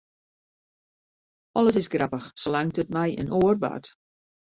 Alles is grappich, salang't it mei in oar bart.